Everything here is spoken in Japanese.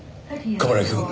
冠城くん！